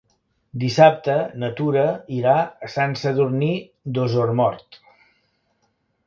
Dissabte na Tura irà a Sant Sadurní d'Osormort.